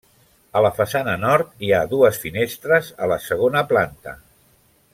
A la façana Nord, hi ha dues finestres a la segona planta.